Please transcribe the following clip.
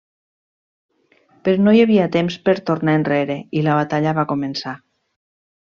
Però no hi havia temps per tornar enrere i la batalla va començar.